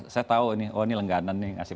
saya tahu ini oh ini lengganan nih ngasih